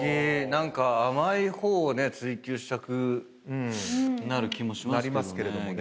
何か甘い方をね追求したくなる気もしますけどね。